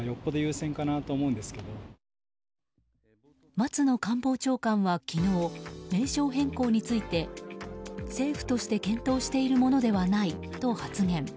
松野官房長官は昨日名称変更について政府として検討しているものではないと発言。